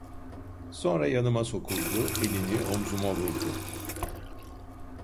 Sonra yanıma sokuldu, elini omuzuma vurdu: